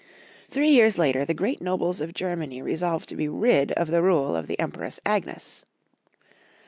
Three years later the great nobles of Germany resolved to be rid of the rule of the Empress Agnes.